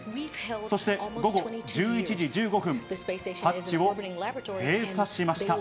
そして午後１１時１５分、ハッチを閉鎖しました。